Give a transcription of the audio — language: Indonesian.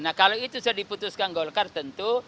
nah kalau itu sudah diputuskan golkar tentu